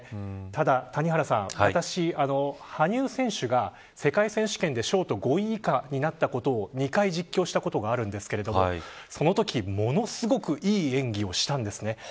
ただ、谷原さん、私羽生選手が世界選手権ショート５位以下になったことを２回実況したことがありますがそのときものすごくいい演技をしたんですね。